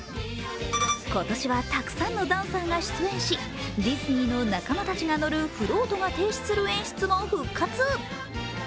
今年はたくさんのダンサーが出演しディズニーの仲間たちが乗るフロートが停止する演出も復活。